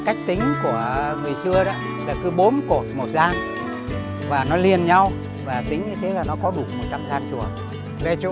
cách tính của người xưa là cứ bốm cổ một gian và nó liền nhau và tính như thế là nó có đủ một trăm gian chùa